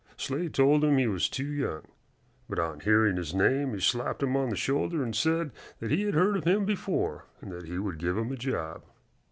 Slade told him he was too young, but on hearing his name he slapped him on the shoulder and said that he had heard of him before and that he would give him a job.